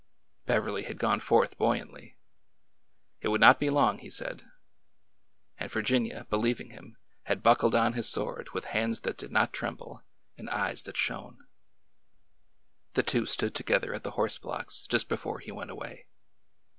Beverly had gone forth buoyantly. It would not be 184 TRAMP, TRAMP, TRAMP!" 185 long, he said. And Virginia, believing him, had buckled on his sword with hands that did not tremble and eyes that shone. The two stood together at the horse blocks just before he went away.